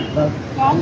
cuốn có mấy